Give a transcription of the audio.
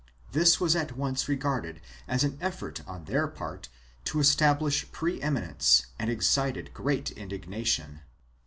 This was at once regarded as an effort on their part to establish pre eminence and excited great indignation.